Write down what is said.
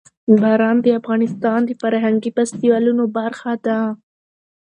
باران د افغانستان د فرهنګي فستیوالونو برخه ده.